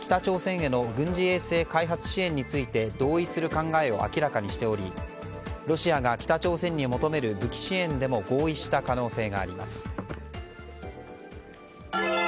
北朝鮮への軍事衛星開発支援について同意する考えを明らかにしておりロシアが北朝鮮に求める武器支援でも合意した可能性があります。